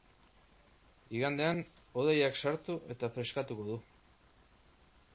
Igandean hodeiak sartu eta freskatuko du.